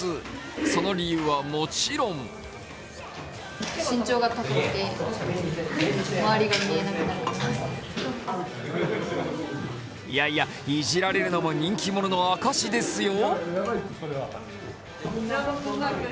その理由はもちろんいやいや、いじられるのも人気者の証しですよ。